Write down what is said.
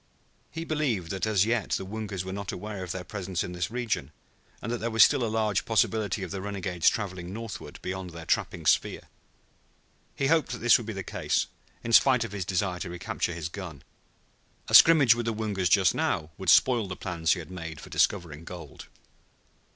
He believed that as yet the Woongas were not aware of their presence in this region, and that there was still a large possibility of the renegades traveling northward beyond their trapping sphere. He hoped that this would be the case, in spite of his desire to recapture his gun. A scrimmage with the Woongas just now would spoil the plans he had made for discovering gold.